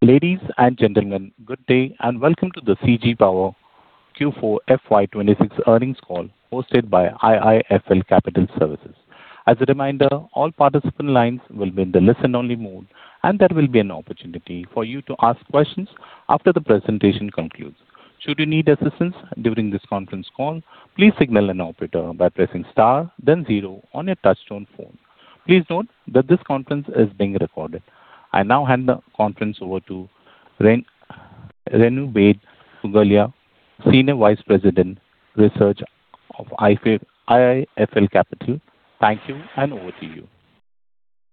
Ladies and gentlemen, good day, and welcome to the CG Power Q4 FY 2026 earnings call hosted by IIFL Capital Services. I now hand the conference over to Renu Baid Pugalia, Senior Vice President, Research of IIFL Capital. Thank you, and over to you.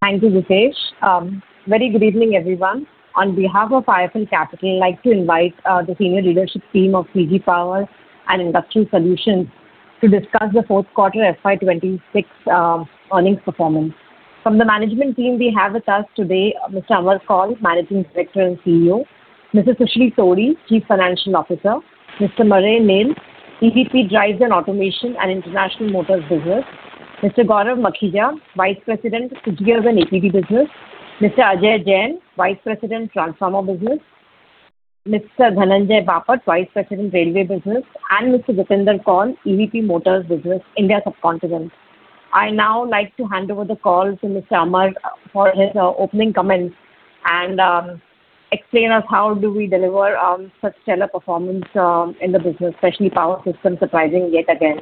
Thank you, Ritesh. Very good evening, everyone. On behalf of IIFL Capital, I'd like to invite the Senior Leadership Team of CG Power and Industrial Solutions to discuss the fourth quarter FY 2026 earnings performance. From the management team, we have with us today Mr. Amar Kaul, Managing Director and CEO, Mr. Susheel Todi, Chief Financial Officer, Mr. Marais Nel, EVP, Drives and Automation and International Motors Business, Mr. Gaurav Makhija, Vice President, Switchgears and EPD Business, Mr. Ajay Jain, Vice President, Transformer Business, Mr. Dhananjay Bapat, Vice President, Railway Business, and Mr. Jatinder Kaul, EVP, Motors Business, India Subcontinent. I now like to hand over the call to Mr. Amar for his opening comments and explain us how do we deliver such stellar performance in the business, especially Power Systems surprising yet again.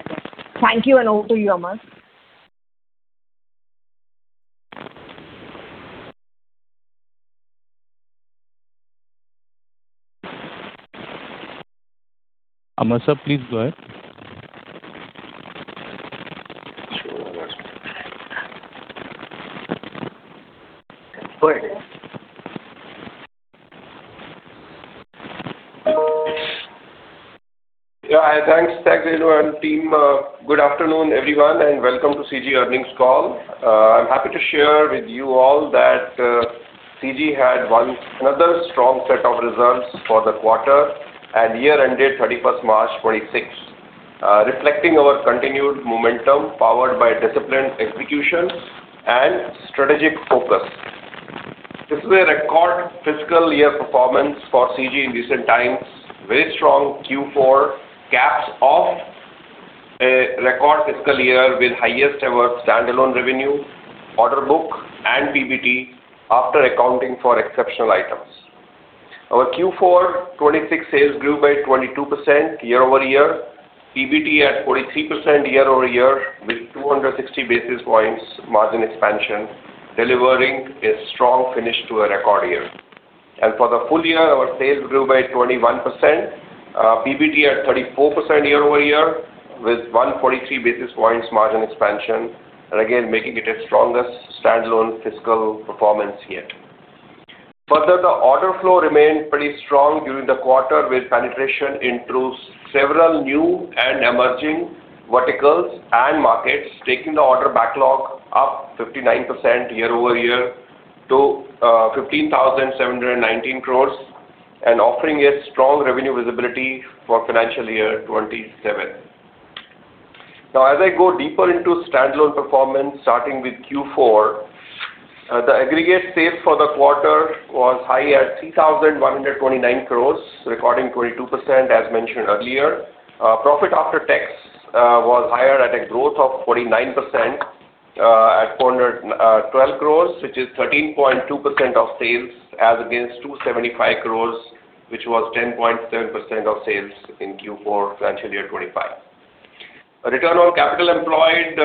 Thank you, and over to you, Amar. Amar sir, please go ahead. Sure, Ritesh. Go ahead. Thanks, Renu and team. Good afternoon, everyone, and welcome to CG earnings call. I'm happy to share with you all that CG had another strong set of results for the quarter and year ended 31st March 2026, reflecting our continued momentum powered by disciplined execution and strategic focus. This is a record fiscal year performance for CG in recent times. Very strong Q4 caps off a record fiscal year with highest ever standalone revenue, order book and PBT after accounting for exceptional items. Our Q4 2026 sales grew by 22% year-over-year, PBT at 43% year-over-year with 260 basis points margin expansion, delivering a strong finish to a record year. For the full year, our sales grew by 21%, PBT at 34% year-over-year with 143 basis points margin expansion. Again, making it its strongest standalone fiscal performance yet. Further, the order flow remained pretty strong during the quarter with penetration into several new and emerging verticals and markets, taking the order backlog up 59% year-over-year to 15,719 crores and offering a strong revenue visibility for FY 2027. As I go deeper into standalone performance, starting with Q4, the aggregate sales for the quarter was high at 3,129 crores, recording 22% as mentioned earlier. Profit after tax was higher at a growth of 49%, at 412 crores, which is 13.2% of sales as against 275 crores, which was 10.7% of sales in Q4 FY 2025. A return on capital employed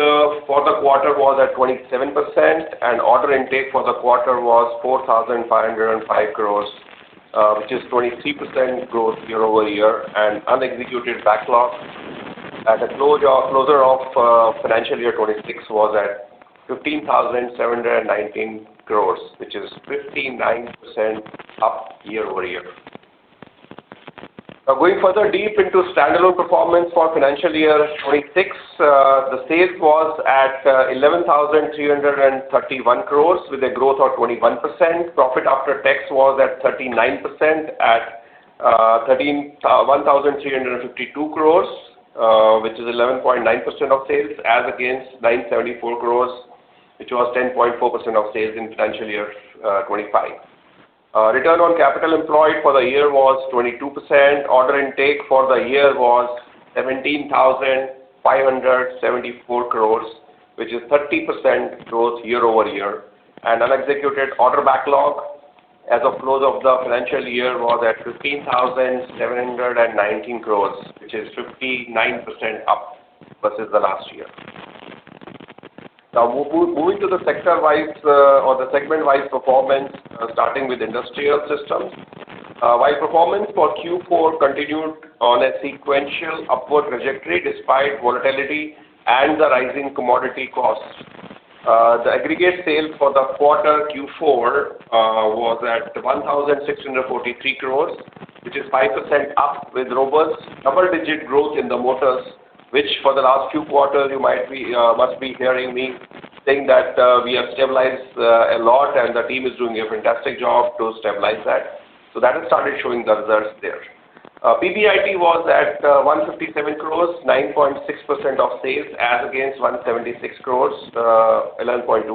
for the quarter was at 27% and order intake for the quarter was 4,505 crores, which is 23% growth year-over-year and unexecuted backlog at the closure of FY 2026 was at 15,719 crores, which is 59% up year-over-year. Going further deep into standalone performance for FY 2026, the sales was at 11,331 crores with a growth of 21%. Profit after tax was at 39% at 1,352 crores, which is 11.9% of sales as against 974 crores, which was 10.4% of sales in FY 2025. Return on capital employed for the year was 22%. Order intake for the year was 17,574 crores, which is 30% growth year-over-year. Unexecuted order backlog as of close of the financial year was at 15,719 crores, which is 59% up versus the last year. Now moving to the sector-wise or the segment-wise performance, starting with Industrial Systems. Performance for Q4 continued on a sequential upward trajectory despite volatility and the rising commodity costs. The aggregate sales for the quarter Q4 was at 1,643 crores, which is 5% up with robust double-digit growth in the motors, which for the last few quarters you might be must be hearing me saying that we have stabilized a lot and the team is doing a fantastic job to stabilize that. So that has started showing the results there. PBIT was at 157 crores, 9.6% of sales as against 176 crores, 11.2%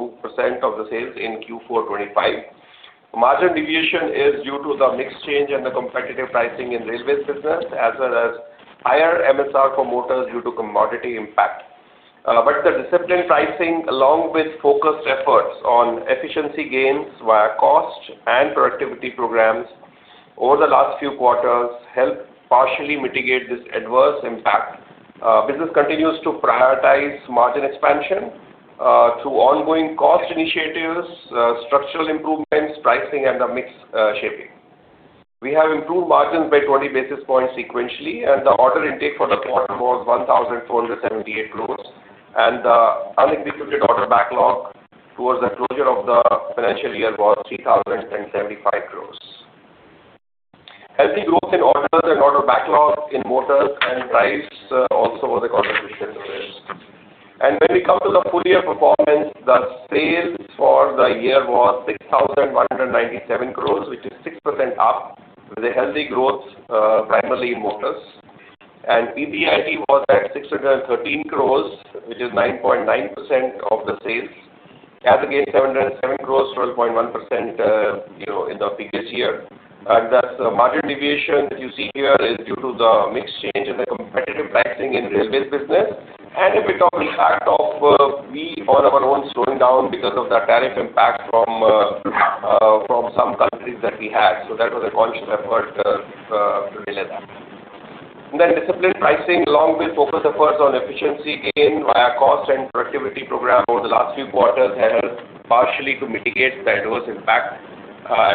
of the sales in Q4 2025. Margin deviation is due to the mix change and the competitive pricing in railways business, as well as higher MSR for motors due to commodity impact. But the disciplined pricing, along with focused efforts on efficiency gains via cost and productivity programs over the last few quarters help partially mitigate this adverse impact. Business continues to prioritize margin expansion through ongoing cost initiatives, structural improvements, pricing and the mix shaping. We have improved margins by 20 basis points sequentially. The order intake for the quarter was 1,478 crores. The unexecuted order backlog towards the closure of the financial year was 3,075 crores. Healthy growth in orders and order backlog in motors and drives also was a contribution to this. When we come to the full-year performance, the sales for the year was 6,197 crores, which is 6% up with a healthy growth primarily in motors. PBIT was at 613 crores, which is 9.9% of the sales as against 707 crores, 12.1%, you know, in the previous year. The margin deviation that you see here is due to the mix change in the competitive pricing in railways business. If we talk, we on our own slowing down because of the tariff impact from some countries that we had. That was a conscious effort to delay that. Disciplined pricing along with focused efforts on efficiency gain via cost and productivity program over the last few quarters helped partially to mitigate the adverse impact.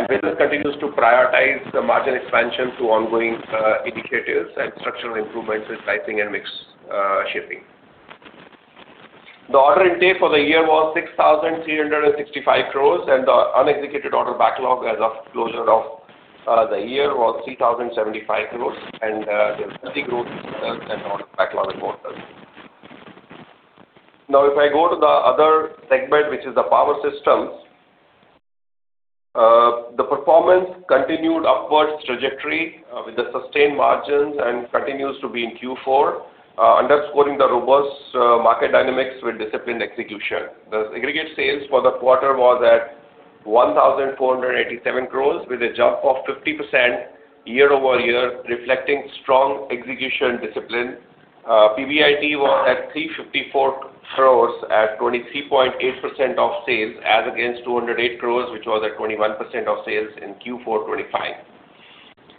Business continues to prioritize the margin expansion to ongoing initiatives and structural improvements in pricing and mix shaping. The order intake for the year was 6,365 crores, and the unexecuted order backlog as of closure of the year was 3,075 crores. There's healthy growth in sales and order backlog in motors. If I go to the other segment, which is the power systems, the performance continued upwards trajectory, with the sustained margins and continues to be in Q4, underscoring the robust market dynamics with disciplined execution. The aggregate sales for the quarter was at 1,487 crores with a jump of 50% year-over-year, reflecting strong execution discipline. PBIT was at 354 crores at 23.8% of sales, as against 208 crores, which was at 21% of sales in Q4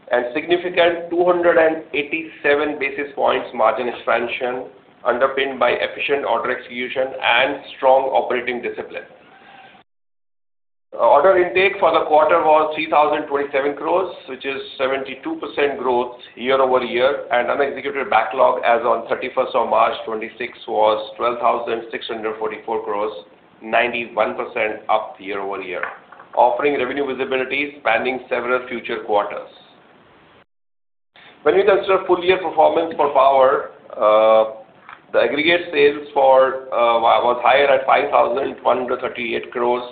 2025. Significant 287 basis points margin expansion underpinned by efficient order execution and strong operating discipline. Order intake for the quarter was 3,027 crores, which is 72% growth year-over-year. Unexecuted backlog as on 31st of March 2026 was 12,644 crores, 91% up year-over-year, offering revenue visibility spanning several future quarters. When we consider full-year performance for power, the aggregate sales was higher at 5,138 crores,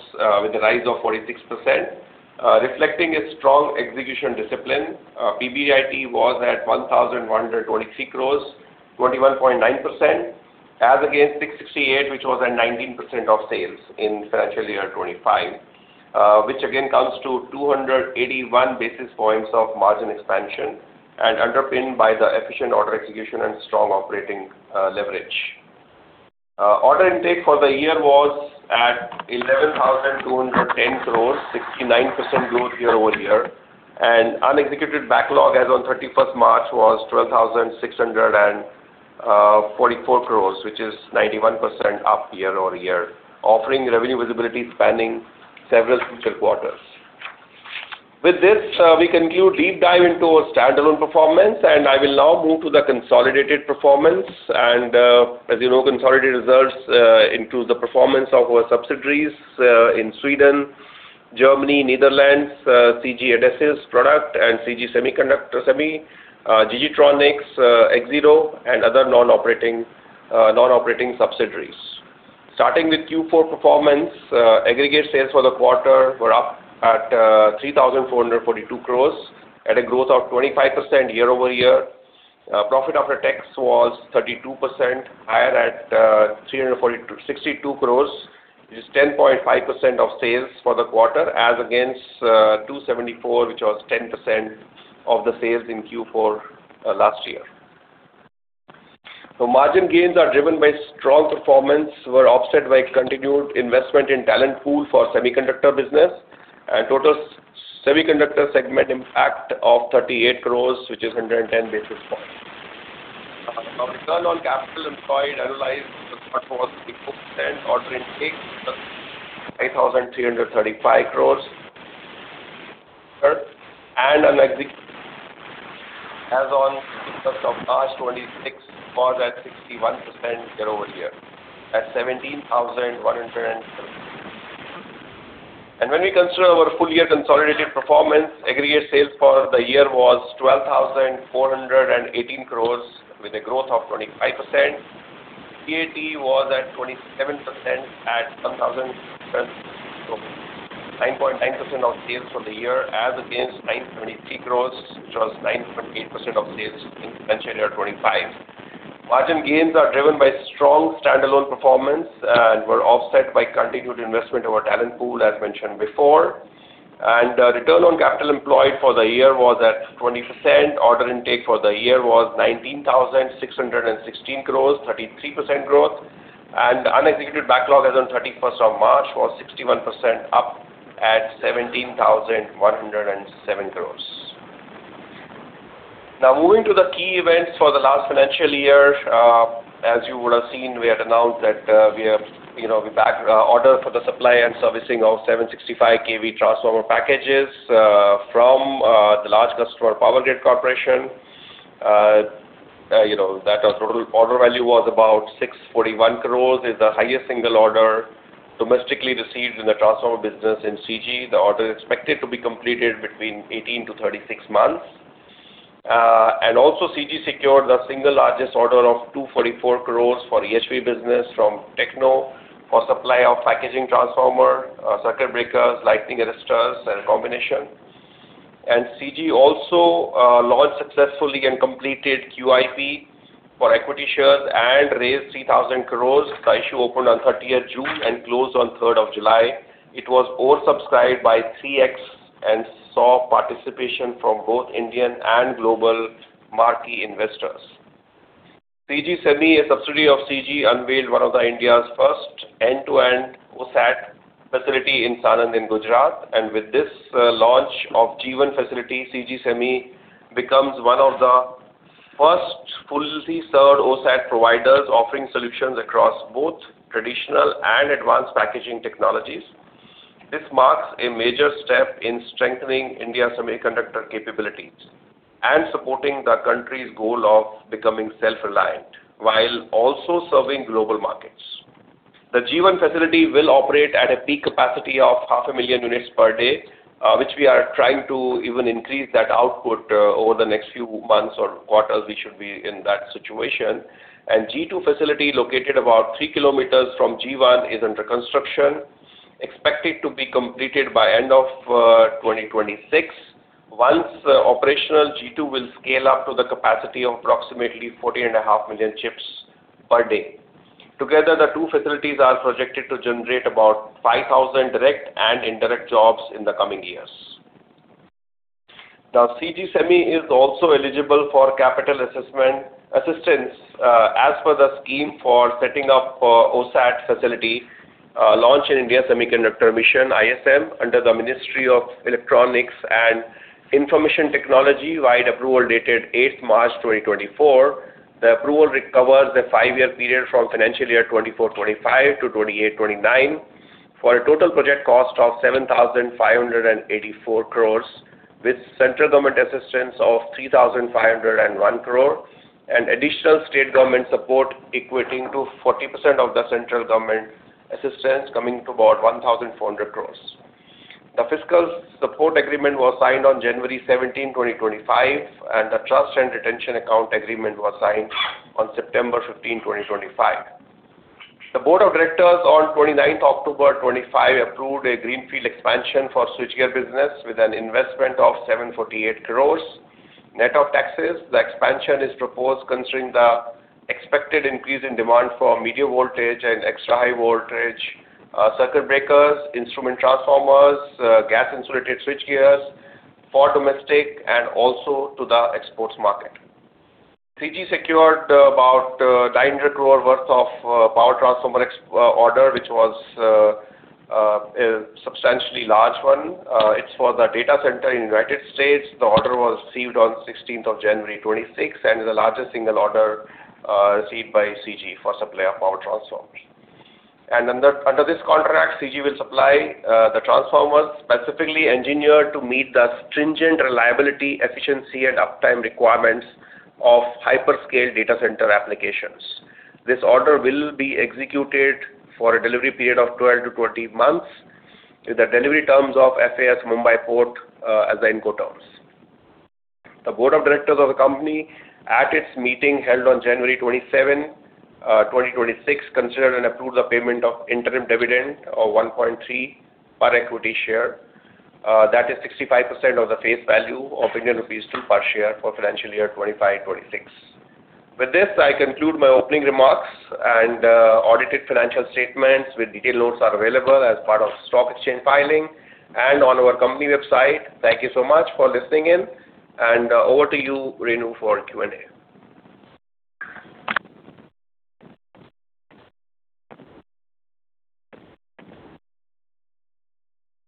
with a rise of 46%, reflecting its strong execution discipline. PBIT was at 1,123 crores, 21.9% as against 668 crores, which was at 19% of sales in FY 2025 which again comes to 281 basis points of margin expansion and underpinned by the efficient order execution and strong operating leverage. Order intake for the year was at 11,210 crores, 69% growth year-over-year. Unexecuted backlog as on 31st March was 12,644 crores, which is 91% up year-over-year, offering revenue visibility spanning several future quarters. With this, we conclude deep dive into our standalone performance, and I will now move to the consolidated performance. As you know, consolidated results includes the performance of our subsidiaries in Sweden, Germany, Netherlands, CG Adhesive Product, CG Semiconductor, CG Semi, G.G. Tronics, Axiro and other non-operating subsidiaries. Starting with Q4 performance, aggregate sales for the quarter were up at 3,442 crores at a growth of 25% year-over-year. Profit after tax was 32% higher at 362 crores, which is 10.5% of sales for the quarter as against 274 crores, which was 10% of the sales in Q4 last year. Margin gains are driven by strong performance, were offset by continued investment in talent pool for semiconductor business and total semiconductor segment impact of 38 crores, which is 110 basis points. Now return on capital employed annualized in the quarter was 60%. Order intake was at INR 8,335 crores. Unexecuted as on 31st of March 2026 was at 61% year-over-year at INR 17,133 crores. When we consider our full-year consolidated performance, aggregate sales for the year was 12,418 crores with a growth of 25%. PAT was at 27% at 1,009.9% of sales for the year as against 9.3 crores, which was 9.8% of sales in FY 2025. Margin gains are driven by strong standalone performance and were offset by continued investment over talent pool, as mentioned before. Return on capital employed for the year was at 20%. Order intake for the year was 19,616 crores, 33% growth. Unexecuted backlog as on 31st of March was 61% up at 17,107 crores. Now moving to the key events for the last financial year. As you would have seen, we had announced that we have, you know, order for the supply and servicing of 765 kV transformer packages from the large customer Power Grid Corporation. You know, that our total order value was about 641 crores, is the highest single order domestically received in the transformer business in CG. The order is expected to be completed between 18 to 36 months. Also CG secured the single largest order of 244 crores for EHV business from Techno for supply of packaging transformer, circuit breakers, lightning arresters and combination. CG also launched successfully and completed QIP for equity shares and raised 3,000 crores. The issue opened on 30th June and closed on 3rd July. It was oversubscribed by 3x and saw participation from both Indian and global marquee investors. CG Semi, a subsidiary of CG, unveiled one of the India's first end-to-end OSAT facility in Sanand in Gujarat. With this launch of G1 facility, CG Semi becomes one of the first fully served OSAT providers offering solutions across both traditional and advanced packaging technologies. This marks a major step in strengthening India's semiconductor capabilities and supporting the country's goal of becoming self-reliant while also serving global markets. The G1 facility will operate at a peak capacity of 0.5 million units per day, which we are trying to even increase that output over the next few months or quarters, we should be in that situation. G2 facility located about 3 km from G1 is under construction, expected to be completed by end of 2026. Once operational, G2 will scale up to the capacity of approximately 40.5 million chips per day. Together, the two facilities are projected to generate about 5,000 direct and indirect jobs in the coming years. CG Semi is also eligible for capital assistance as per the scheme for setting up OSAT facility launched in India Semiconductor Mission, ISM, under the Ministry of Electronics and Information Technology via approval dated 8 March 2024. The approval covers the five-year period from FY 2024/2025 to 2028/2029, for a total project cost of 7,584 crores, with central government assistance of 3,501 crore and additional state government support equating to 40% of the central government assistance coming to about 1,400 crores. The fiscal support agreement was signed on January 17, 2025, and the trust and retention account agreement was signed on September 15, 2025. The board of directors on 29th October 2025 approved a greenfield expansion for switchgear business with an investment of 748 crores, net of taxes. The expansion is proposed considering the expected increase in demand for medium voltage and extra high voltage circuit breakers, instrument transformers, gas-insulated switchgears for domestic and also to the exports market. CG secured about 900 crore worth of power transformer order, which was a substantially large one. It's for the data center in United States. The order was received on 16 January 2026 and is the largest single order received by CG for supply of power transformers. Under this contract, CG will supply the transformers specifically engineered to meet the stringent reliability, efficiency and uptime requirements of hyperscale data center applications. This order will be executed for a delivery period of 12 to 20 months with the delivery terms of FAS Mumbai port as the Incoterms. The board of directors of the company at its meeting held on January 27, 2026, considered and approved the payment of interim dividend of 1.3 per equity share. That is 65% of the face value of Indian rupees 2 per share for financial year 2025/2026. With this, I conclude my opening remarks and audited financial statements with detailed notes are available as part of stock exchange filing and on our company website. Thank you so much for listening in and over to you, Renu, for Q&A.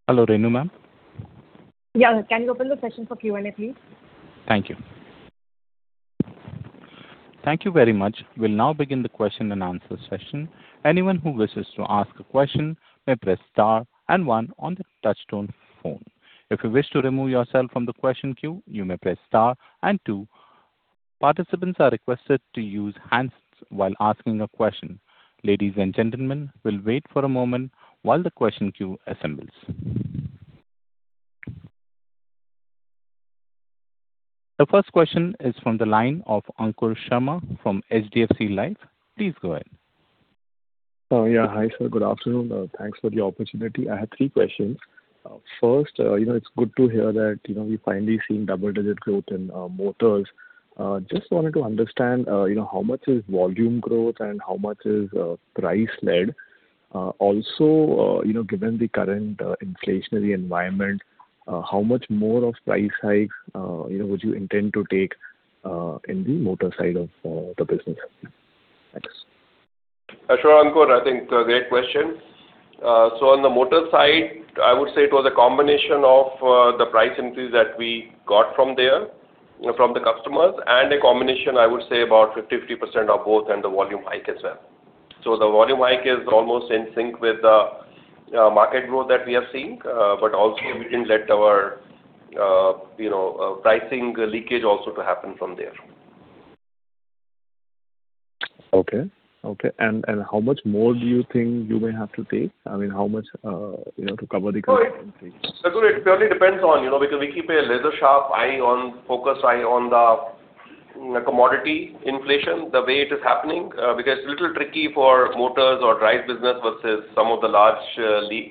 Hello, Renu, Ma'am. Can you open the session for Q&A, please? Thank you. Thank you very much. We'll now begin the question and answer session. Anyone who wishes to ask a question may press star and one on the touchtone phone. If you wish to remove yourself from the question queue, you may press star and two. Participants are requested to use handsets while asking a question. Ladies and gentlemen, we'll wait for a moment while the question queue assembles. The first question is from the line of Ankur Sharma from HDFC Life. Please go ahead. Oh, yeah. Hi, sir. Good afternoon. Thanks for the opportunity. I have three questions. First, you know, it's good to hear that, you know, we finally seeing double-digit growth in motors. Just wanted to understand, you know, how much is volume growth and how much is price-led. Also, you know, given the current inflationary environment, how much more of price hikes, you know, would you intend to take in the motor side of the business? Thanks. Sure, Ankur. I think it's a great question. On the motor side, I would say it was a combination of the price increase that we got from there, from the customers, and a combination, I would say, about 50%, 50% of both and the volume hike as well. The volume hike is almost in sync with the market growth that we are seeing. Also we can let our, you know, pricing leakage also to happen from there. Okay. How much more do you think you may have to take? I mean, how much, you know, to cover the current increase? No, it really depends on, you know, because we keep a laser-sharp eye on, focus eye on the commodity inflation, the way it is happening, because it's a little tricky for motors or drive business versus some of the large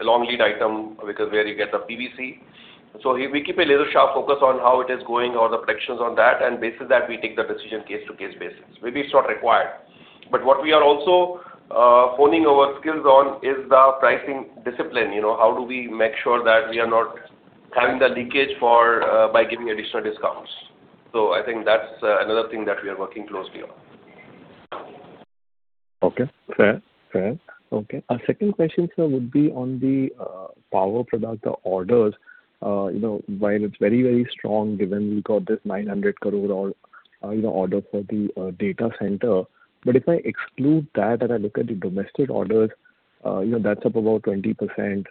long lead item because where you get the PVC. We keep a laser-sharp focus on how it is going or the projections on that, basis that we take the decision case to case basis. Maybe it's not required. What we are also honing our skills on is the pricing discipline. You know, how do we make sure that we are not having the leakage for by giving additional discounts? I think that's another thing that we are working closely on. Okay, fair. Fair. Okay. Second question, sir, would be on the power product, the orders. You know, while it's very, very strong, given we got this 900 crore order for the data center. If I exclude that and I look at the domestic orders, you know, that's up about 20%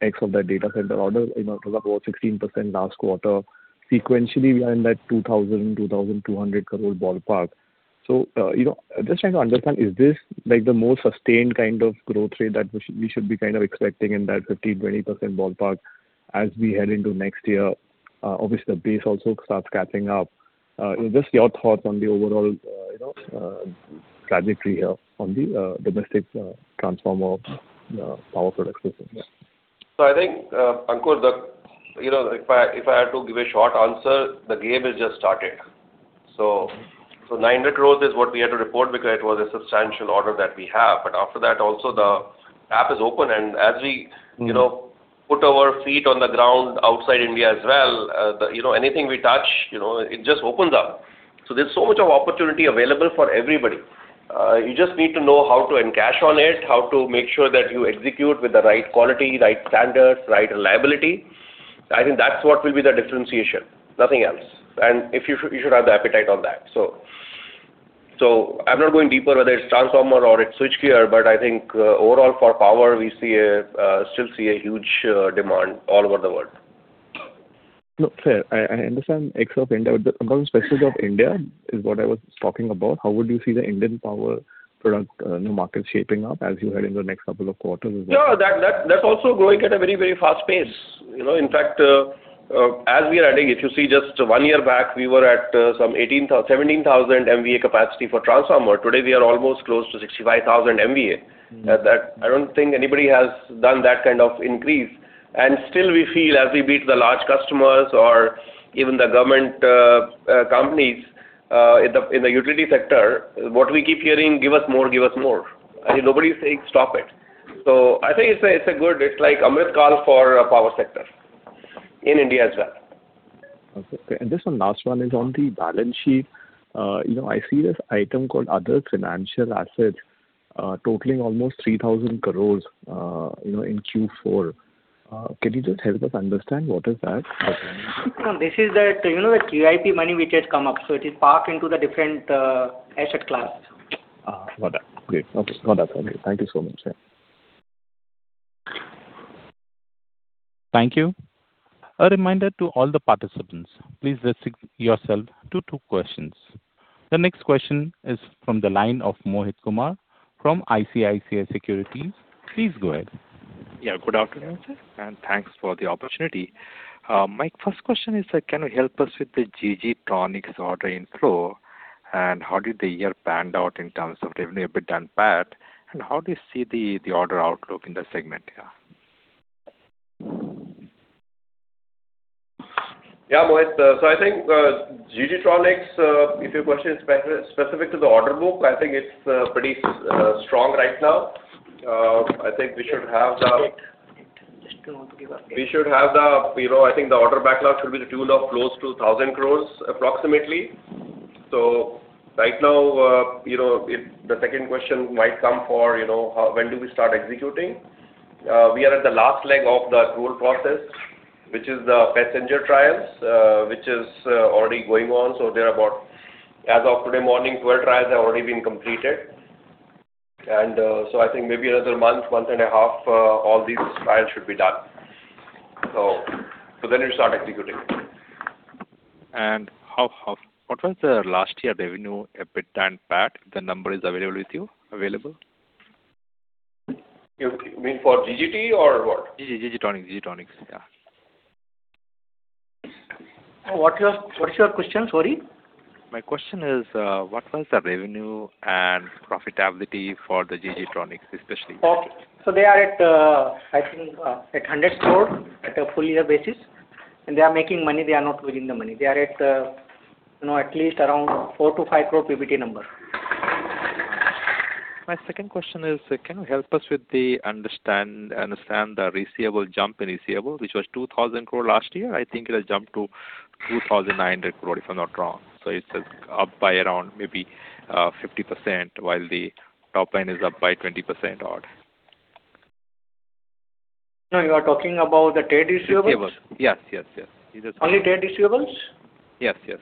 ex of that data center order, you know, it was about 16% last quarter. Sequentially, we are in that 2,000-2,200 crore ballpark. You know, just trying to understand, is this like the more sustained kind of growth rate that we should be kind of expecting in that 15%-20% ballpark as we head into next year? Obviously the base also starts catching up. Just your thoughts on the overall, you know, trajectory on the domestic transformer power product business? I think, Ankur, the, you know, if I had to give a short answer, the game has just started. 900 crores is what we had to report because it was a substantial order that we have. After that also the app is open, and as we, you know, put our feet on the ground outside India as well, the, you know, anything we touch, you know, it just opens up. There's so much of opportunity available for everybody. You just need to know how to encash on it, how to make sure that you execute with the right quality, right standards, right liability. I think that's what will be the differentiation, nothing else. If you should have the appetite on that, so. I'm not going deeper whether it's transformer or it's switchgear, but I think, overall for power, we still see a huge demand all over the world. No, fair. I understand ex of India, but specifically of India is what I was talking about. How would you see the Indian power product, you know, market shaping up as you head into the next couple of quarters as well? Yeah, that's also growing at a very, very fast pace. You know, in fact, as we are adding, if you see just one year back, we were at some 17,000 MVA capacity for transformer. Today, we are almost close to 65,000 MVA. That I don't think anybody has done that kind of increase. Still we feel as we meet the large customers or even the government companies in the utility sector, what we keep hearing, "Give us more, give us more." I mean, nobody is saying, "Stop it." I think it's a good It's like Amar Kaul for power sector in India as well. Okay. This one, last one is on the balance sheet. you know, I see this item called other financial assets, totaling almost 3,000 crores, you know, in Q4. Can you just help us understand what is that? This is that, you know, the QIP money which has come up, so it is parked into the different asset class. Got that. Great. Okay. Got that. Okay. Thank you so much, sir. Thank you. A reminder to all the participants, please restrict yourself to two questions. The next question is from the line of Mohit Kumar from ICICI Securities. Please go ahead. Yeah, good afternoon, sir, and thanks for the opportunity. My first question is that can you help us with the G.G. Tronics order inflow, and how did the year panned out in terms of revenue, EBIT and PAT? How do you see the order outlook in the segment here? Yeah, Mohit. I think, G.G. Tronics, if your question is specific to the order book, I think it's pretty strong right now. Just a bit. Just to give update. We should have the, you know, I think the order backlog should be the tune of close to 1,000 crores approximately. Right now, you know, the second question might come for, you know, when do we start executing? We are at the last leg of the tool process, which is the passenger trials, which is already going on. There are about, as of today morning, 12 trials have already been completed. I think maybe another one month, one and a half months, all these trials should be done. Then we start executing. What was the last year revenue, EBIT and PAT? The number is available with you? You mean for GGT or what? G.G. Tronics, yeah. What's your question? Sorry. My question is, what was the revenue and profitability for the G.G. Tronics especially? Okay. They are at, I think, at 100 crore at a full year basis, they are making money. They are not within the money. They are at, you know, at least around 4 crore-INT 5 crore PBT number. My second question is, can you help us with the understand the receivable jump in receivable, which was 2,000 crore last year. I think it has jumped to 2,900 crore, if I'm not wrong. It's up by around maybe 50%, while the top line is up by 20% odd. No, you are talking about the trade receivables? Receivables. Yes, yes. Only trade receivables? Yes, yes.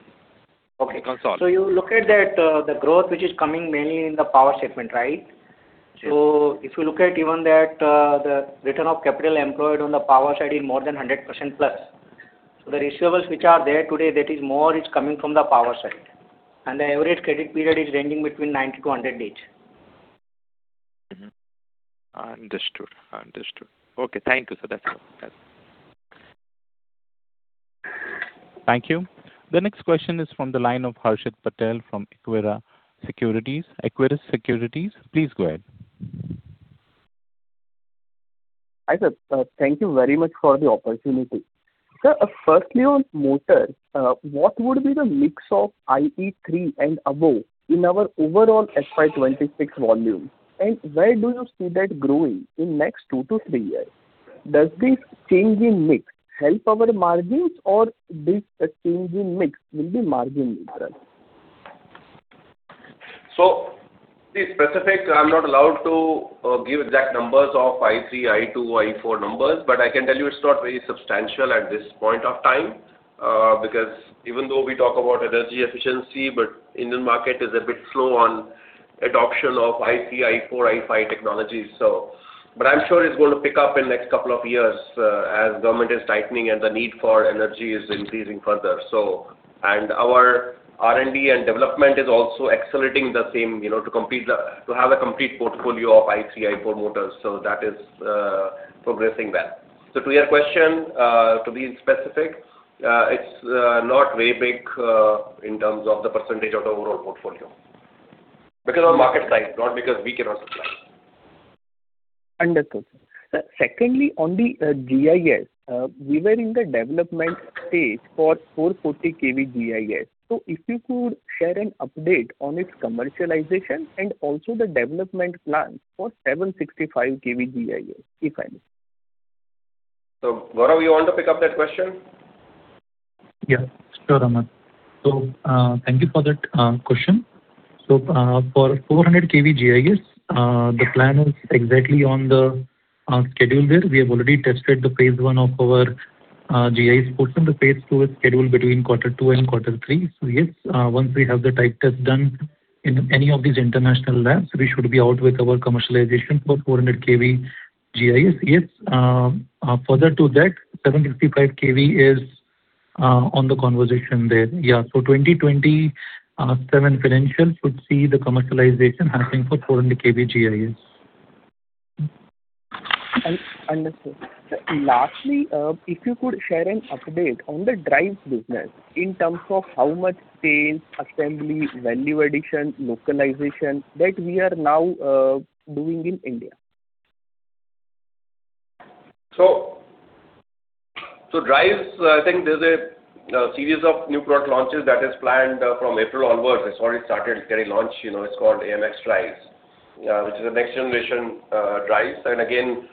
Okay. Consolidate. You look at that, the growth which is coming mainly in the power segment, right? Yes. If you look at even that, the return of capital employed on the power side is more than 100% plus. The receivables which are there today, that is more is coming from the power side. The average credit period is ranging between 90 to 100 days. Understood. Understood. Okay. Thank you, sir. That's all. That's it. Thank you. The next question is from the line of Harshit Patel from Equirus Securities. Equirus Securities, please go ahead. Hi, sir. Thank you very much for the opportunity. Sir, firstly on motor, what would be the mix of IE3 and above in our overall FY 2026 volume? Where do you see that growing in next two to three years? Does this change in mix help our margins or this change in mix will be margin neutral? To be specific, I'm not allowed to give exact numbers of IE3, IE2, IE4 numbers, but I can tell you it's not very substantial at this point of time. Even though we talk about energy efficiency, Indian market is a bit slow on adoption of IE3, IE4, IE5 technologies. I'm sure it's going to pick up in next couple of years, as government is tightening and the need for energy is increasing further. Our R&D and development is also accelerating the same, you know, to have a complete portfolio of IE3, IE4 motors. That is progressing well. To your question, to be specific, it's not very big in terms of the percentage of the overall portfolio. On market side, not because we cannot supply. Understood. Sir, secondly, on the GIS, we were in the development stage for 440 kV GIS. If you could share an update on its commercialization and also the development plans for 765 kV GIS, if I may. Gaurav, you want to pick up that question? Yeah, sure, Amit. Thank you for that question. For 400 kV GIS, the plan is exactly on the schedule there. We have already tested the phase 1 of our GIS portion. The phase II is scheduled between quarter two and quarter three. Yes, once we have the type test done in any of these international labs, we should be out with our commercialization for 400 kV GIS. Yes, further to that, 755 kV is on the conversation there. 2027 financials should see the commercialization happening for 400 kV GIS. Sir, lastly, if you could share an update on the drives business in terms of how much sales, assembly, value addition, localization that we are now doing in India. Drives, I think there's a series of new product launches that is planned from April onwards. It's already started getting launched, you know, it's called AMX drives, which is a next generation drives. Again,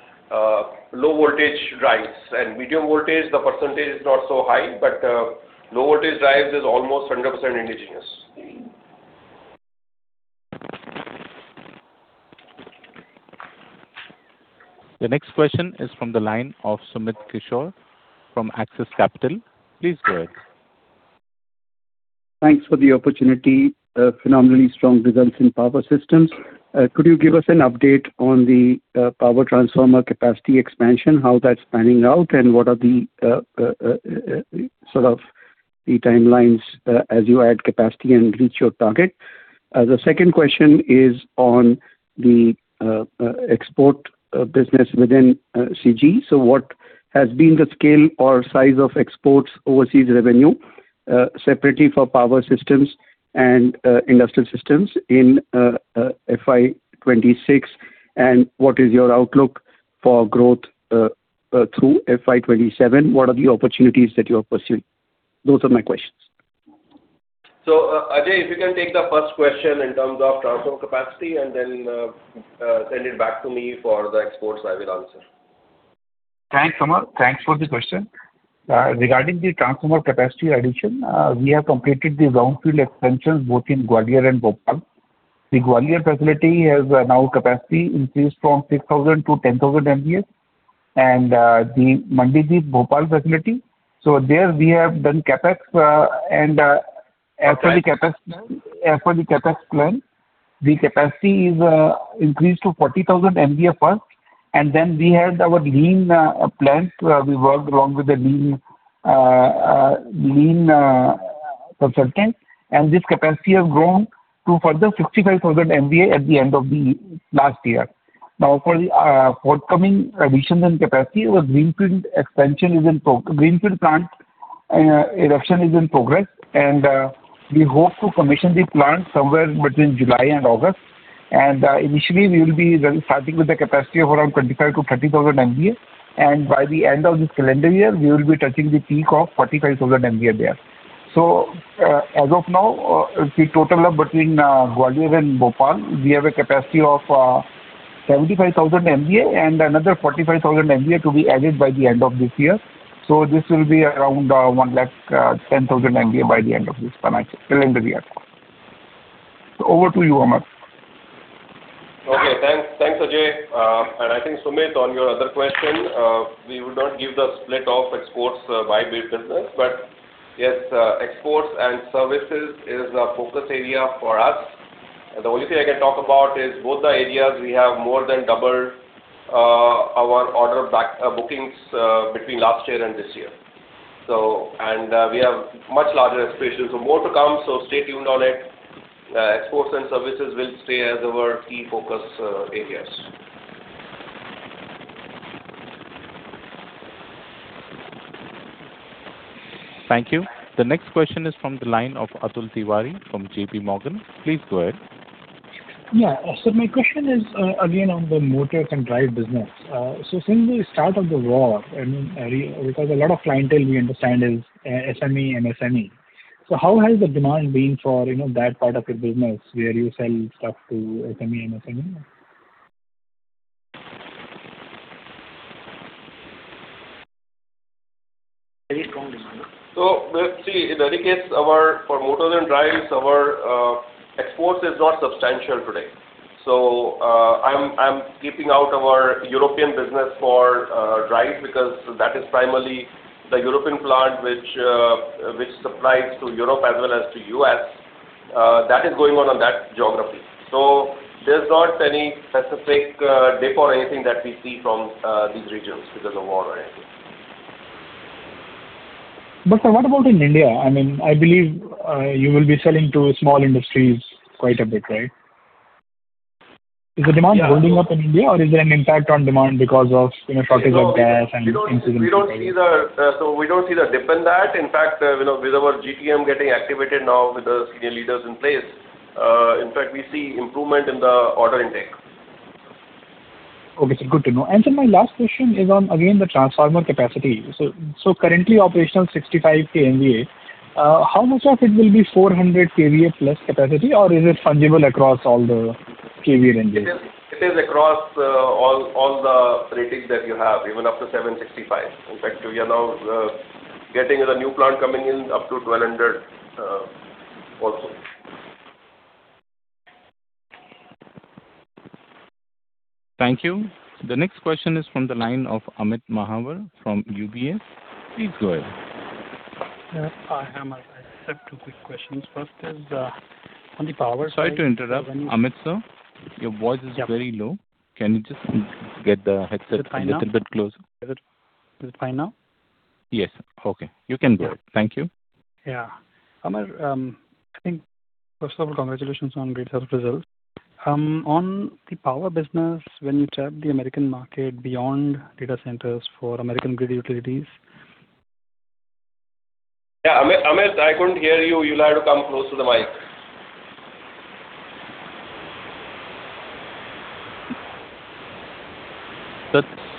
low voltage drives and medium voltage, the percentage is not so high, but low voltage drives is almost 100% indigenous. The next question is from the line of Sumit Kishore from Axis Capital. Please go ahead. Thanks for the opportunity. Phenomenally strong results in power systems. Could you give us an update on the power transformer capacity expansion, how that's panning out, and what are the sort of the timelines as you add capacity and reach your target? The second question is on the export business within CG. What has been the scale or size of exports overseas revenue separately for power systems and industrial systems in FY 2026? What is your outlook for growth through FY 2027? What are the opportunities that you are pursuing? Those are my questions. Ajay, if you can take the first question in terms of transformer capacity and then send it back to me for the exports, I will answer. Thanks, Amit. Thanks for the question. Regarding the transformer capacity addition, we have completed the brownfield extensions both in Gwalior and Bhopal. The Gwalior facility has now capacity increased from 6,000 to 10,000 MVA. The Mandideep Bhopal facility, there we have done CapEx, and as per the CapEx plan, the capacity is increased to 40,000 MVA first. We had our lean plant where we worked along with the lean consultant, this capacity has grown to further 65,000 MVA at the end of the last year. For the forthcoming additions and capacity, our greenfield expansion is in greenfield plant erection is in progress, we hope to commission the plant somewhere between July and August. Initially, we will be re-starting with the capacity of around 25,000 MVA-30,000 MVA. By the end of this calendar year, we will be touching the peak of 45,000 MVA there. As of now, the total of between Gwalior and Bhopal, we have a capacity of 75,000 MVA and another 45,000 MVA to be added by the end of this year. This will be around 110,000 MVA by the end of this calendar year. Over to you, Amar. Okay. Thanks. Thanks, Ajay. I think, Sumit, on your other question, we would not give the split of exports by way of business. Yes, exports and services is the focus area for us. The only thing I can talk about is both the areas we have more than doubled our order back bookings between last year and this year. We have much larger aspirations for more to come, so stay tuned on it. Exports and services will stay as our key focus areas. Thank you. The next question is from the line of Atul Tiwari from JPMorgan. Please go ahead. Yeah. My question is, again, on the motors and drive business. Since the start of the war, I mean, because a lot of clientele we understand is MSME. How has the demand been for, you know, that part of your business where you sell stuff to MSME? Very strong demand. In that case, for motors and drives, our exports is not substantial today. I'm keeping out our European business for drives because that is primarily the European plant which supplies to Europe as well as to U.S. That is going on on that geography. There's not any specific dip or anything that we see from these regions because of war or anything. Sir, what about in India? I mean, I believe, you will be selling to small industries quite a bit, right? Yeah. Is the demand building up in India, or is there an impact on demand because of, you know, prices of gas and things like that? We don't see the dip in that. In fact, you know, with our GTM getting activated now with the senior leaders in place, in fact, we see improvement in the order intake. Okay, sir. Good to know. Sir, my last question is on, again, the transformer capacity. Currently operational 65 kVA, how much of it will be 400 kVA plus capacity, or is it fungible across all the kV ranges? It is across all the ratings that you have, even up to 765. In fact, we are now getting the new plant coming in up to 1,200 also. Thank you. The next question is from the line of Amit Mahawar from UBS. Please go ahead. Yeah. I have two quick questions. First is on the power side- Sorry to interrupt. Amit, sir, your voice is very low. Yeah. Can you just get the headset a little bit closer? Is it fine now? Is it fine now? Yes. Okay. You can go ahead. Thank you. Amar, I think, first of all, congratulations on great set of results. On the power business, when you tap the American market beyond data centers for American grid utilities. Yeah. Amit, I couldn't hear you. You'll have to come close to the mic.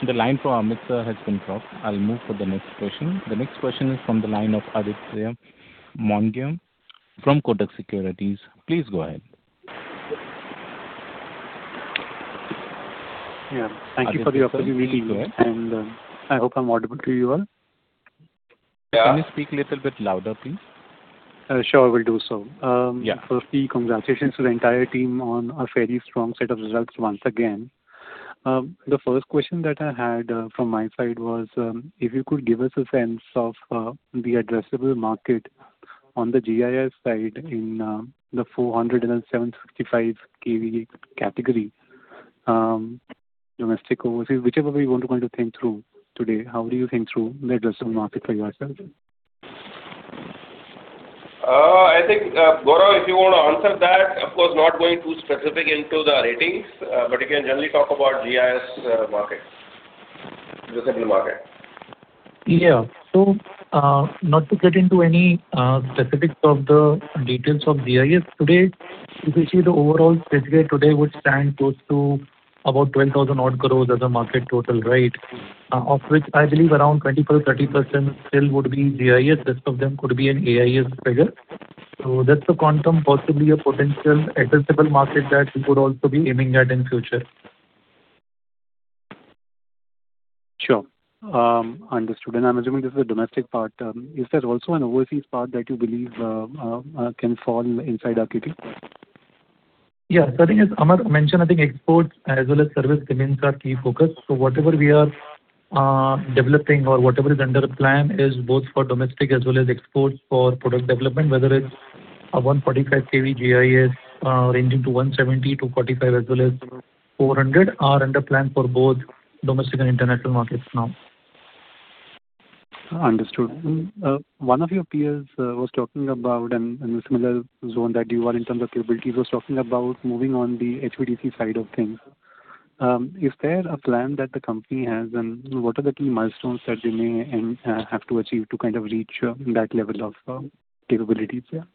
Sir, the line from Amit, sir, has been dropped. I'll move for the next question. The next question is from the line of Aditya Mongia from Kotak Securities. Please go ahead. Yeah. Thank you for the opportunity. Aditya, please go ahead. I hope I'm audible to you all. Yeah. Can you speak a little bit louder, please? Sure. Will do so. Yeah. Firstly, congratulations to the entire team on a fairly strong set of results once again. The first question that I had from my side was, if you could give us a sense of the addressable market on the GIS side in the 400 and 755 kV category, domestic, overseas, whichever way you want to kind of think through today, how do you think through the addressable market for yourself? I think, Gaurav, if you wanna answer that, of course, not going too specific into the ratings, you can generally talk about GIS, market, addressable market. Not to get into any specifics of the details of GIS today, if you see the overall figure today would stand close to about 12,000 odd crores as a market total, right? Of which I believe around 25%-30% still would be GIS, rest of them could be an AIS figure. That's the quantum, possibly a potential addressable market that we could also be aiming at in future. Sure. Understood. I'm assuming this is a domestic part. Is there also an overseas part that you believe can fall inside our kV? I think as Amar mentioned, I think exports as well as service remains our key focus. Whatever we are developing or whatever is under plan is both for domestic as well as exports for product development, whether it's a 145 kV GIS, ranging to 170 kV-45 kV, as well as 400 are under plan for both domestic and international markets now. Understood. One of your peers was talking about and the similar zone that you are in terms of capabilities, was talking about moving on the HVDC side of things. Is there a plan that the company has and what are the key milestones that you may and have to achieve to kind of reach that level of capabilities there?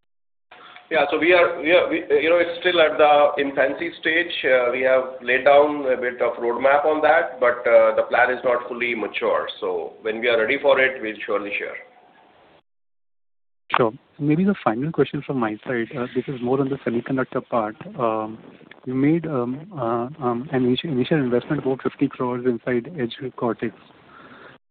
Yeah. We are, you know, it's still at the infancy stage. We have laid down a bit of roadmap on that, the plan is not fully mature. When we are ready for it, we'll surely share. Sure. Maybe the final question from my side, this is more on the semiconductor part. You made an initial investment about 50 crore inside EdgeCortix.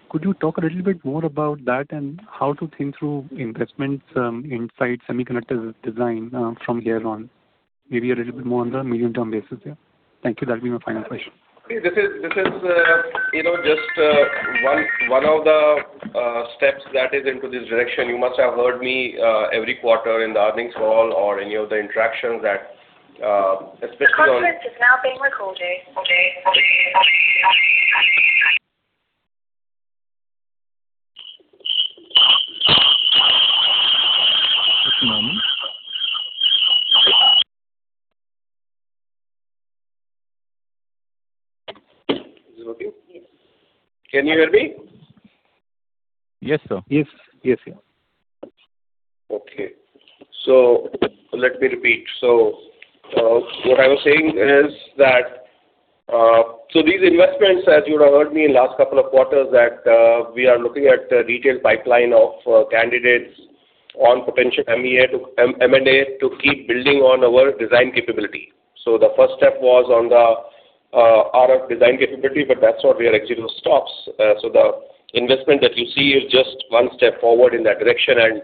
Could you talk a little bit more about that and how to think through investments inside semiconductor design from here on? Maybe a little bit more on the medium-term basis, yeah. Thank you. That'll be my final question. This is, you know, just one of the steps that is into this direction. You must have heard me every quarter in the earnings call or any of the interactions that, especially on- Is it working? Yes. Can you hear me? Yes, sir. Yes. Yes, sir. Okay. Let me repeat. What I was saying is that these investments, as you would have heard me in last couple of quarters, that we are looking at a detailed pipeline of candidates on potential M&A to keep building on our design capability. The first step was on the RF design capability, but that's not where it actually stops. The investment that you see is just one step forward in that direction.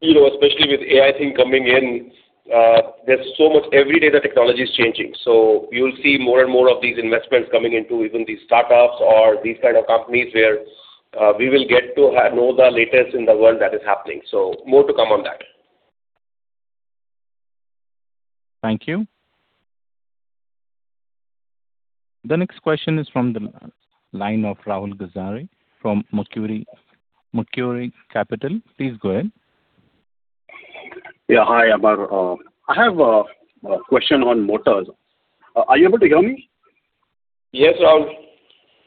You know, especially with AI thing coming in, there's so much every day the technology is changing. You'll see more and more of these investments coming into even these startups or these kind of companies where we will get to know the latest in the world that is happening. More to come on that. Thank you. The next question is from the line of Rahul Gajare from Macquarie Capital. Please go ahead. Yeah, hi, Amar. I have a question on motors. Are you able to hear me? Yes, Rahul.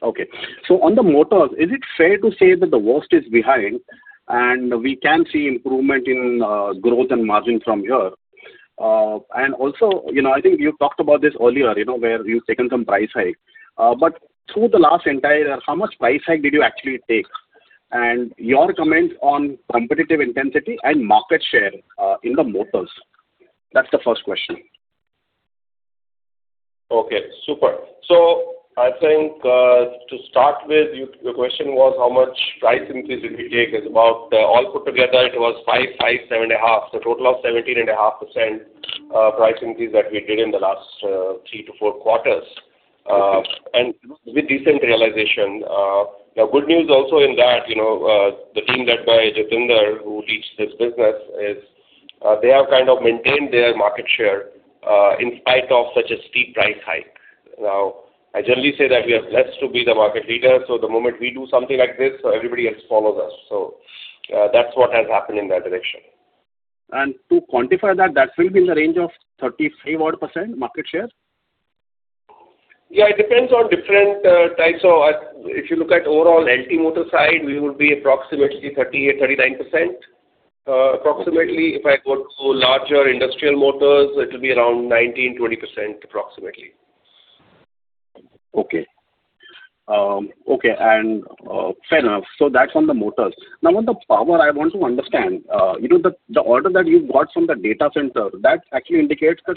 On the motors, is it fair to say that the worst is behind and we can see improvement in growth and margin from here? Also, you know, I think you've talked about this earlier, you know, where you've taken some price hike. Through the last entire year, how much price hike did you actually take? Your comments on competitive intensity and market share in the motors. That's the first question. Okay. Super. I think, to start with, your question was how much price increase did we take is about, all put together it was 5, 7.5. Total of 17.5% price increase that we did in the last three to four quarters. With decent realization. The good news also in that, you know, the team led by Jatinder Kaul, who leads this business, is, they have kind of maintained their market share in spite of such a steep price hike. Now, I generally say that we are blessed to be the market leader, the moment we do something like this, everybody else follows us. That's what has happened in that direction. To quantify that will be in the range of 33% market share? Yeah. It depends on different. If you look at overall LT motor side, we would be approximately 38%-39%. Approximately if I go to larger industrial motors, it'll be around 19%-20% approximately. Okay. Okay. Fair enough. That's on the motors. On the power, I want to understand, you know, the order that you got from the data center, that actually indicates the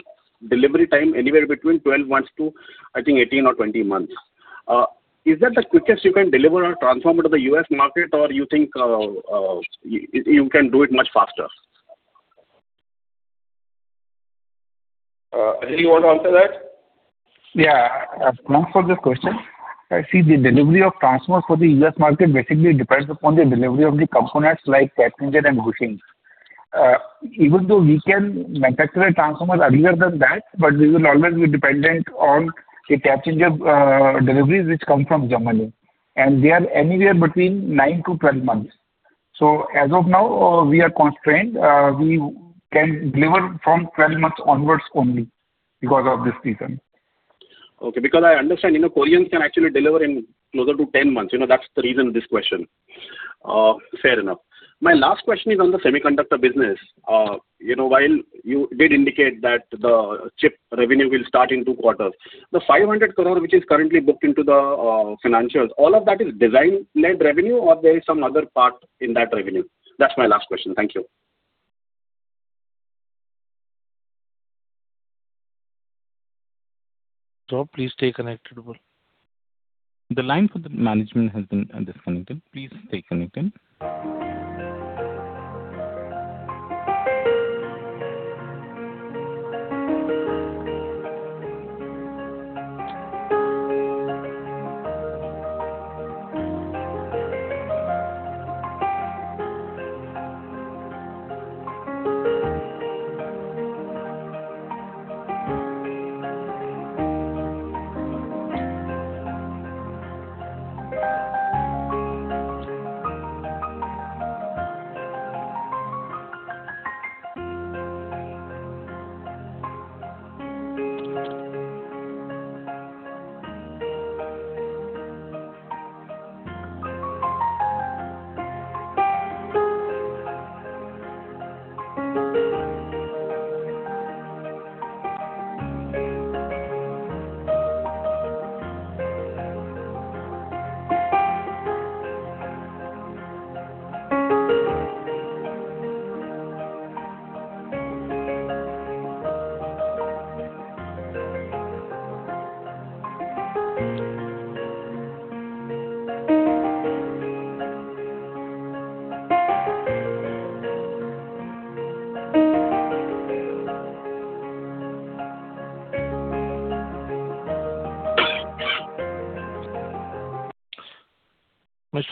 delivery time anywhere between 12 months to, I think 18 or 20 months. Is that the quickest you can deliver a transformer to the U.S. market, or you think you can do it much faster? Ajay, you want to answer that? Yeah. Thanks for the question. The delivery of transformers for the U.S. market basically depends upon the delivery of the components like tap changer and bushings. Even though we can manufacture a transformer earlier than that, we will always be dependent on the tap changer deliveries which come from Germany, they are anywhere between nine to 12 months. As of now, we are constrained. We can deliver from 12 months onwards only because of this reason. Okay. I understand, you know, Koreans can actually deliver in closer to 10 months. You know, that's the reason of this question. Fair enough. My last question is on the semiconductor business. You know, while you did indicate that the chip revenue will start in two quarters, the 500 crore which is currently booked into the financials, all of that is design-led revenue or there is some other part in that revenue? That's my last question. Thank you. Please stay connected. The line for the management has been disconnected. Please stay connected.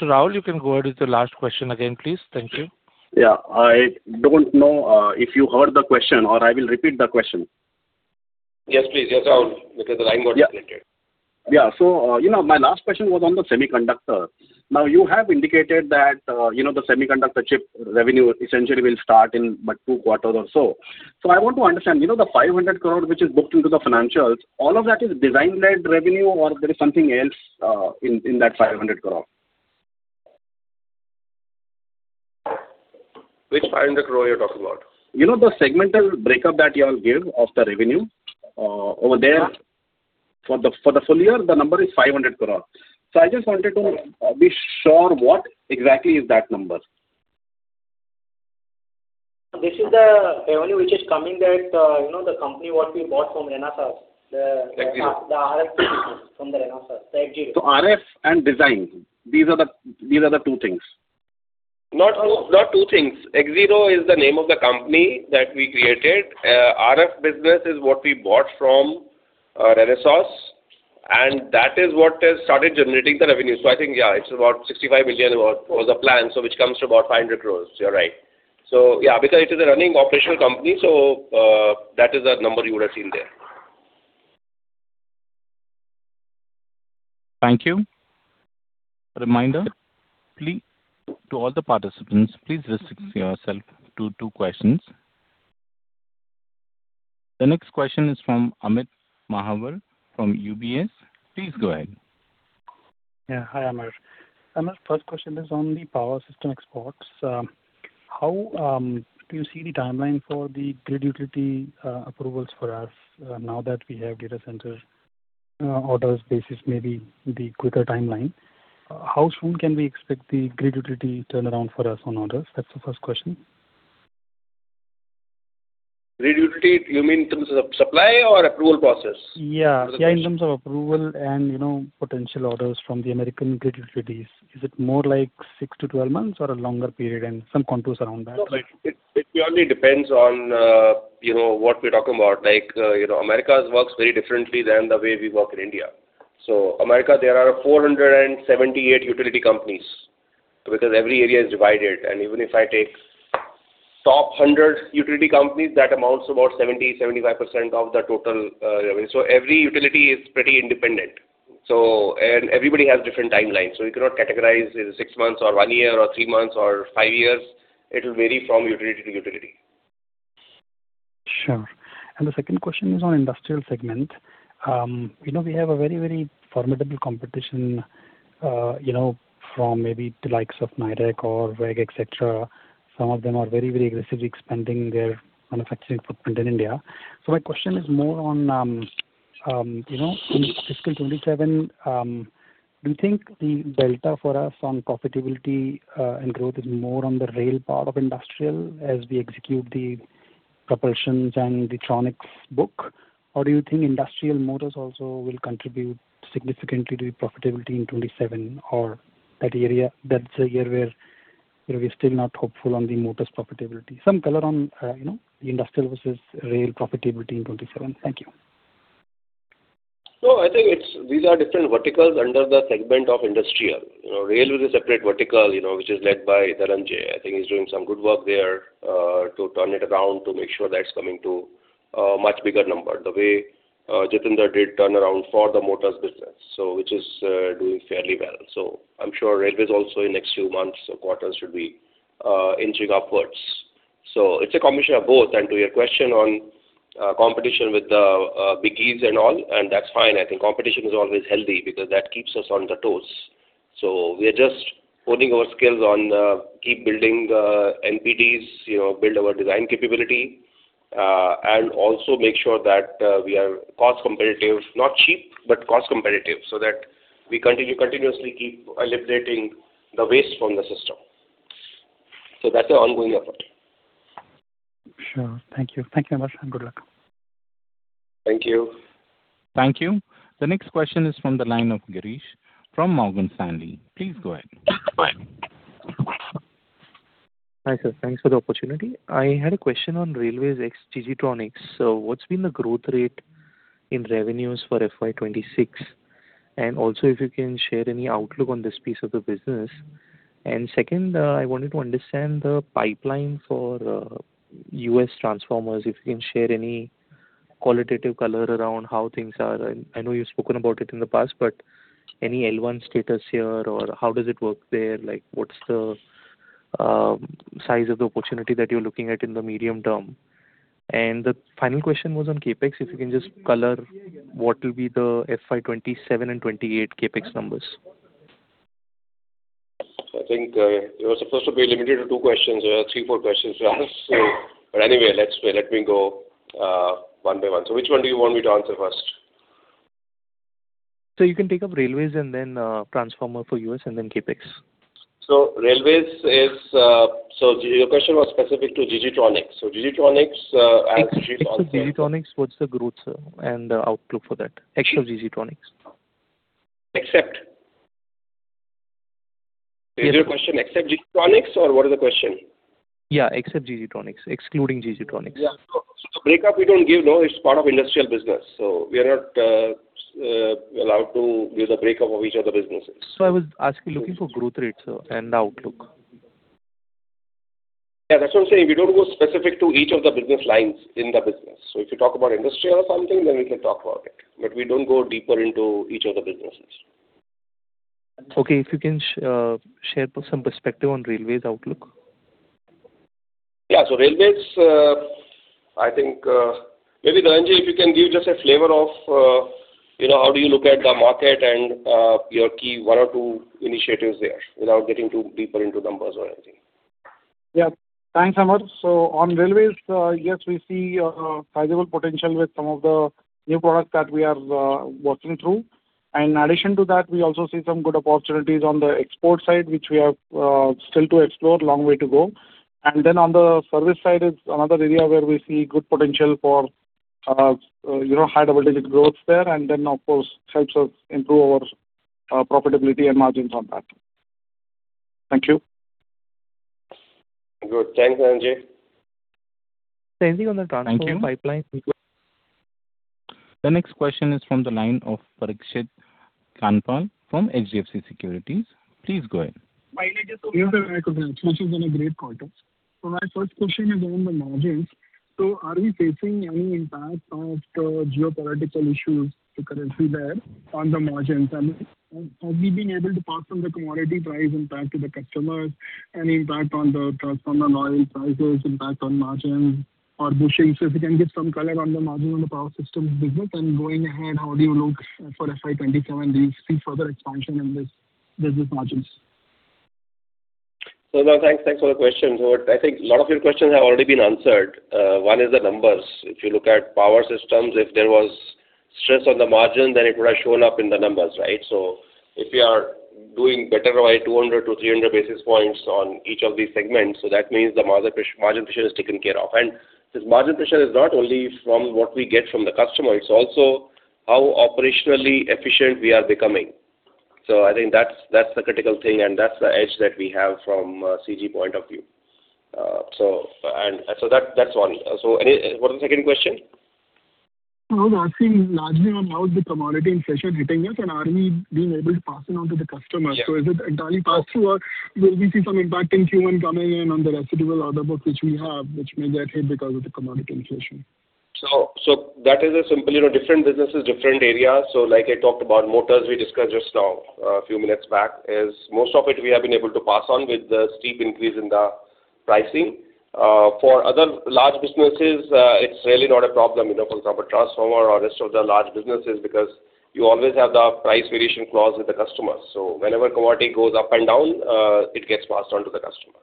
Mr. Rahul, you can go ahead with your last question again, please. Thank you. Yeah. I don't know, if you heard the question, or I will repeat the question. Yes, please. Yes, Rahul, because the line got disconnected. My last question was on the semiconductor. Now, you have indicated that, the semiconductor chip revenue essentially will start in about two quarters or so. I want to understand, you know, the 500 crore which is booked into the financials, all of that is design-led revenue or there is something else in that 500 crore? Which 500 crore you're talking about? You know the segmental breakup that y'all give of the revenue, over there. For the full year, the number is 500 crore. I just wanted to be sure what exactly is that number. This is the revenue which is coming that, you know, the company what we bought from Renesas. Axiro. The RF from the Renesas, the Axiro. RF and design, these are the two things. Not two things. Axiro is the name of the company that we created. RF business is what we bought from Renesas, and that is what has started generating the revenue. I think, yeah, it is about $65 million was the plan, which comes to about 500 crores. You are right. Yeah, because it is a running operational company, so that is the number you would have seen there. Thank you. Reminder, to all the participants, please restrict yourself to two questions. The next question is from Amit Mahawar from UBS. Please go ahead. Yeah. Hi, Amit. First question is on the power system exports. How do you see the timeline for the grid utility approvals for us, now that we have data center orders basis, maybe the quicker timeline? How soon can we expect the grid utility turnaround for us on orders? That's the first question. Grid utility, you mean in terms of supply or approval process? Yeah. Yeah, in terms of approval and, you know, potential orders from the American grid utilities. Is it more like six to 12 months or a longer period, and some contours around that? No, it purely depends on, you know, what we're talking about. Like, you know, Americas works very differently than the way we work in India. America, there are 478 utility companies because every area is divided. Even if I take top 100 utility companies, that amounts to about 70%-75% of the total revenue. Every utility is pretty independent. Everybody has different timelines. You cannot categorize is it six months or one year or three months or five years. It will vary from utility to utility. Sure. The second question is on industrial segment. You know, we have a very, very formidable competition, you know, from maybe the likes of Nidec or WEG, et cetera. My question is more on, you know, in FY 2027, do you think the delta for us on profitability and growth is more on the rail part of industrial as we execute the propulsions and the Tronics book? Do you think industrial motors also will contribute significantly to the profitability in 2027 or that area? That's a year where, you know, we're still not hopeful on the motors profitability. Some color on, you know, industrial versus rail profitability in 2027. Thank you. These are different verticals under the segment of Industrial. You know, Rail is a separate vertical, you know, which is led by Dhananjay Bapat. I think he's doing some good work there to turn it around to make sure that's coming to a much bigger number, the way Jatinder Kaul did turnaround for the Motors Business, which is doing fairly well. I'm sure Railways also in next few months or quarters should be inching upwards. It's a combination of both. To your question on competition with the biggies and all, that's fine. I think competition is always healthy because that keeps us on the toes. We are just honing our skills on keep building NPDs, you know, build our design capability, and also make sure that we are cost competitive. Not cheap, but cost competitive, that we continue continuously keep eliminating the waste from the system. That's an ongoing effort. Sure. Thank you. Thank you very much. Good luck. Thank you. Thank you. The next question is from the line of Girish from Morgan Stanley. Please go ahead. Hi, sir. Thanks for the opportunity. I had a question on Railways ex-G.G. Tronics. What's been the growth rate in revenues for FY 2026? Also if you can share any outlook on this piece of the business. Second, I wanted to understand the pipeline for U.S. transformers, if you can share any qualitative color around how things are. I know you've spoken about it in the past, but any L-1 status here or how does it work there? Like, what's the size of the opportunity that you're looking at in the medium term? The final question was on CapEx. If you can just color what will be the FY 2027 and 2028 CapEx numbers. I think, you were supposed to be limited to two questions. There are three, four questions here. Anyway, let's, let me go one by one. Which one do you want me to answer first? Sir, you can take up Railways and then, transformer for U.S. and then CapEx. Railways is, So your question was specific to G.G. Tronics. G.G. Tronics. Except G.G. Tronics, what's the growth, sir, and outlook for that? Excuse me? Ex-G.G. Tronics. Except? Yes, sir. Is your question except G.G. Tronics or what is the question? Yeah, except G.G. Tronics. Excluding G.G. Tronics. Yeah. The breakup we don't give, no. It's part of industrial business, so we are not allowed to give the breakup of each of the businesses. I was asking, looking for growth rate, sir, and outlook. Yeah, that's what I'm saying. We don't go specific to each of the business lines in the business. If you talk about industry or something, then we can talk about it, but we don't go deeper into each of the businesses. Okay. If you can share some perspective on Railways outlook. Yeah. Railways, I think, maybe Dhananjay, if you can give just a flavor of, you know, how do you look at the market and, your key one or two initiatives there without getting too deeper into numbers or anything. Yeah. Thanks, Amar. On Railways, yes, we see sizable potential with some of the new products that we are working through. In addition to that, we also see some good opportunities on the export side, which we have still to explore. Long way to go. On the service side is another area where we see good potential for, you know, high double-digit growth there. Of course, helps us improve our profitability and margins on that. Thank you. Good. Thanks, Dhananjay. Same thing on the transformer pipeline. Thank you. The next question is from the line of Parikshit Kandpal from HDFC Securities. Please go ahead. My name is Parikshit. Yes, Parikshit. This is a great quarter. My first question is on the margins. Are we facing any impact of the geopolitical issues occurring there on the margins? Have we been able to pass on the commodity price impact to the customers, any impact on the transformer oil prices, impact on margins or bushings? If you can give some color on the margin on the power systems business. Going ahead, how do you look for FY 2027? Do you see further expansion in this business margins? Thanks, thanks for the question. What I think a lot of your questions have already been answered. One is the numbers. If you look at power systems, if there was stress on the margin, then it would have shown up in the numbers, right? If we are doing better by 200 basis points-300 basis points on each of these segments, that means the margin pressure is taken care of. This margin pressure is not only from what we get from the customer, it's also how operationally efficient we are becoming. I think that's the critical thing, and that's the edge that we have from CG point of view. That's one. What was the second question? I was asking largely on how is the commodity inflation hitting us, and are we being able to pass it on to the customer? Yeah. Is it entirely pass through or will we see some impact in Q1 coming in on the residual order book which we have, which may get hit because of the commodity inflation? That is a simple, you know, different businesses, different areas. Like I talked about motors, we discussed just now, a few minutes back, is most of it we have been able to pass on with the steep increase in the pricing. For other large businesses, it's really not a problem, you know. For example, transformer or rest of the large businesses, because you always have the price variation clause with the customer. Whenever commodity goes up and down, it gets passed on to the customer.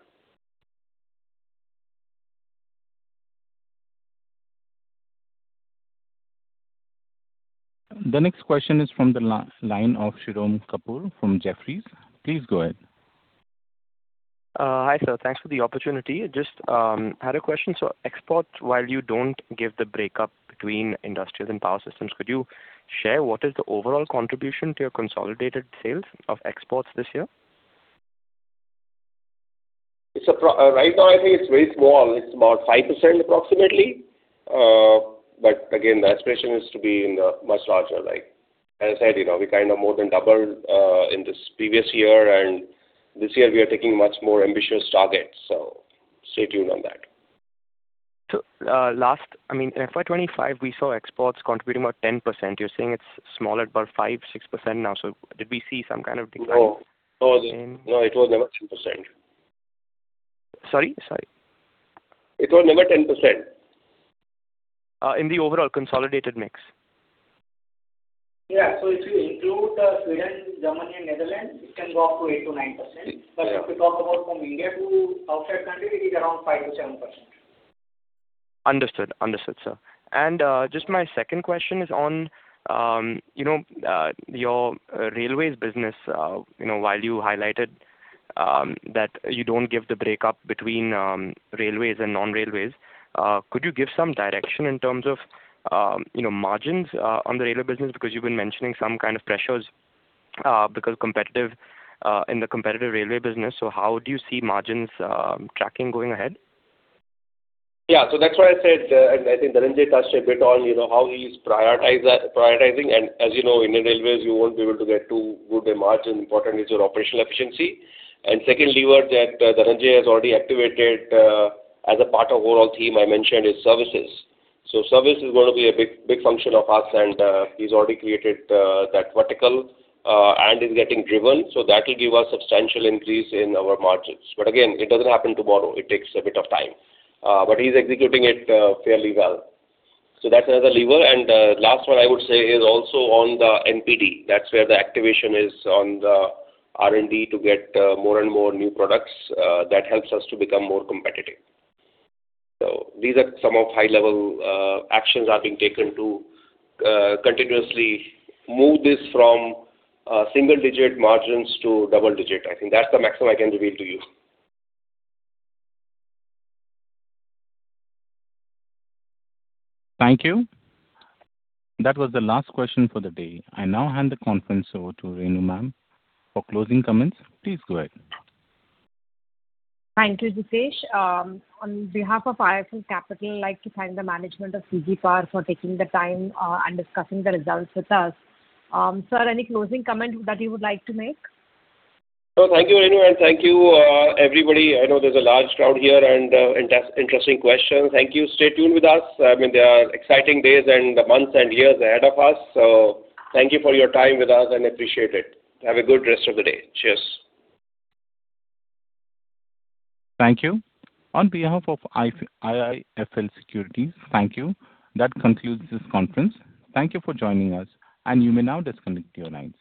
The next question is from the line of Shirom Kapur from Jefferies. Please go ahead. Hi, sir. Thanks for the opportunity. Just had a question. Exports, while you don't give the breakup between industrials and power systems, could you share what is the overall contribution to your consolidated sales of exports this year? Right now, I think it's very small. It's about 5% approximately. Again, the aspiration is to be in, much larger. Like as I said, you know, we kind of more than doubled, in this previous year, and this year we are taking much more ambitious targets. Stay tuned on that. Last, I mean, in FY 2025 we saw exports contributing about 10%. You're saying it's smaller at about 5%, 6% now. Did we see some kind of decline? No. No. It was never 10%. Sorry? Sorry. It was never 10%. In the overall consolidated mix. Yeah. If you include Sweden, Germany and Netherlands, it can go up to 8%-9%. Yeah. If you talk about from India to outside country, it is around 5%-7%. Understood. Understood, sir. Just my second question is on, you know, your Railways Business. You know, while you highlighted that you don't give the breakup between Railways and non-Railways, could you give some direction in terms of, you know, margins on the Railway Business? Because you've been mentioning some kind of pressures because competitive in the competitive Railway Business. So how do you see margins tracking going ahead? Yeah. That's why I said, and I think Dhananjay touched a bit on, you know, how he's prioritizing. As you know, Indian Railways, you won't be able to get too good a margin. Important is your operational efficiency. Second lever that Dhananjay has already activated as a part of overall theme I mentioned is services. Service is gonna be a big, big function of us, and he's already created that vertical and is getting driven. That will give us substantial increase in our margins. Again, it doesn't happen tomorrow. It takes a bit of time. He's executing it fairly well. That's another lever. Last one I would say is also on the NPD. That's where the activation is on the R&D to get more and more new products that helps us to become more competitive. These are some of high-level actions are being taken to continuously move this from single-digit margins to double digit. I think that's the maximum I can reveal to you. Thank you. That was the last question for the day. I now hand the conference over to Renu ma'am for closing comments. Please go ahead. Thank you, Ritesh. On behalf of IIFL Capital, I'd like to thank the management of CG Power for taking the time and discussing the results with us. Sir, any closing comment that you would like to make? Thank you, Renu, and thank you, everybody. I know there's a large crowd here and interesting questions. Thank you. Stay tuned with us. I mean, there are exciting days and months and years ahead of us. Thank you for your time with us and appreciate it. Have a good rest of the day. Cheers. Thank you. On behalf of IIFL Securities, thank you. That concludes this conference. Thank you for joining us, and you may now disconnect your lines.